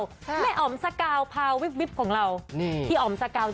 ใช่แม่อ๋อมสกาวของเรานี่ที่อ๋อมสกาวใจ